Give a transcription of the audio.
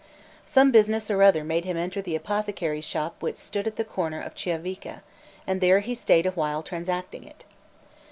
Some business or other made him enter the apothecary's shop which stood at the corner of Chiavica, and there he stayed a while transacting it.